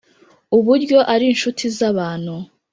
uburyo ari inshuti z'abantu